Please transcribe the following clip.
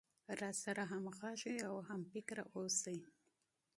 راسره همغږى او هم فکره اوسي.